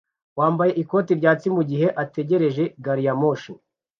wambaye ikote ryatsi mugihe ategereje gari ya moshi